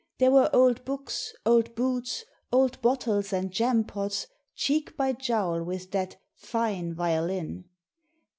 There were old books, old boots, old bottles and jampots, cheek by jowl with that "fine violin.